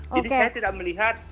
jadi saya tidak melihat